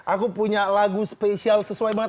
aku punya lagu spesial sesuai banget